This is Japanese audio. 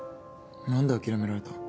何で諦められた？